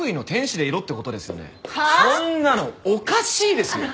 そんなのおかしいですよ！